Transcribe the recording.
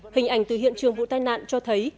hình ảnh từ hiện trường vụ tai nạn cho thấy